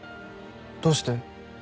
どうして？